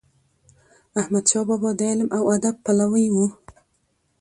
احمد شاه بابا د علم او ادب پلوی و.